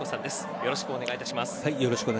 よろしくお願いします。